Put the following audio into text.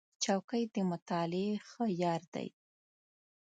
چوکۍ د مطالعې ښه یار دی.